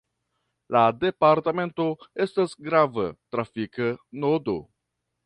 La departamento estas grava trafika nodo.